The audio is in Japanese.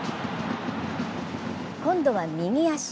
今度は右足。